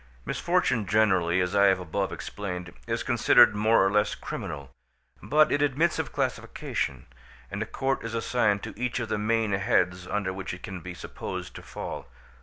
Misfortune generally, as I have above explained, is considered more or less criminal, but it admits of classification, and a court is assigned to each of the main heads under which it can be supposed to fall.